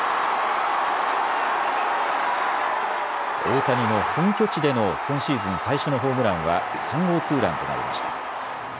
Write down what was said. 大谷の本拠地での今シーズン最初のホームランは３号ツーランとなりました。